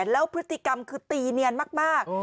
แล้วพฤติกรรมคือตีเนียนมาก